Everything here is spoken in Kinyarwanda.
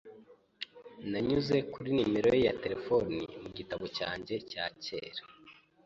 Nanyuze kuri nimero ye ya terefone mu gitabo cyanjye cya kera.